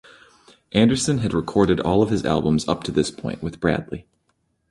Anderson had recorded all of his albums up to this point with Bradley.